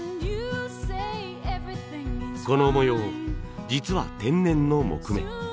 この模様実は天然の木目。